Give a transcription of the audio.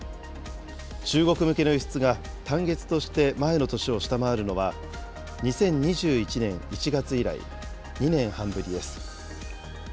中国向けの輸出が単月として前の年を下回るのは、２０２１年１月以来、２年半ぶりです。